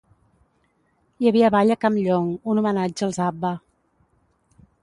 Hi havia ball a Campllong, un homenatge als A B B A